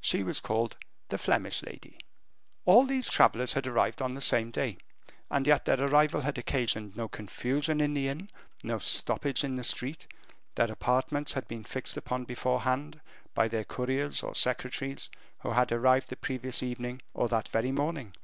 She was called the Flemish lady. All these travelers had arrived on the same day, and yet their arrival had occasioned no confusion in the inn, no stoppage in the street; their apartments had been fixed upon beforehand, by their couriers or secretaries, who had arrived the previous evening or that very morning.